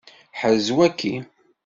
Ḥrez waki!